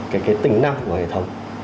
cái tính năng của hệ thống